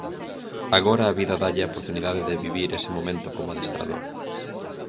Agora a vida dálle a oportunidade de vivir ese momento como adestrador.